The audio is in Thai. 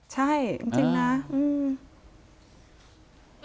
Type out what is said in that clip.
ใช่จริงนะ